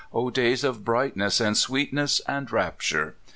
O days of brightness, and sweetness, and rapture!